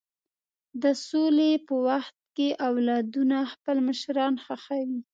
د سولې په وخت کې اولادونه خپل مشران ښخوي.